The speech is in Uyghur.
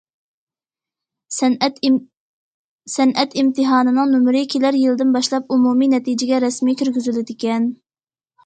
سەنئەت ئىمتىھانىنىڭ نومۇرى كېلەر يىلىدىن باشلاپ ئومۇمىي نەتىجىگە رەسمىي كىرگۈزۈلىدىكەن.